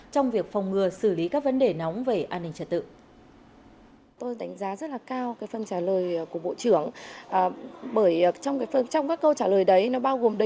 trong việc phòng ngừa xử lý các vấn đề nóng về an ninh trật tự